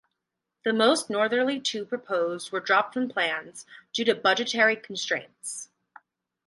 The most northerly two proposed were dropped from plans due to budgetary constraints.